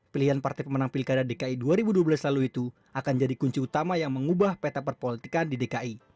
pilihan partai pemenang pilkada dki dua ribu dua belas lalu itu akan jadi kunci utama yang mengubah peta perpolitikan di dki